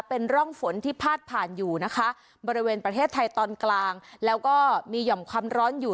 เป็นร่องฝนที่พาดผ่านอยู่นะคะบริเวณประเทศไทยตอนกลางแล้วก็มีหย่อมความร้อนอยู่